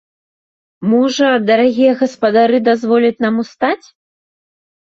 Можа, дарагія гаспадары дазволяць нам устаць?